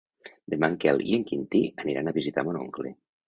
Demà en Quel i en Quintí aniran a visitar mon oncle.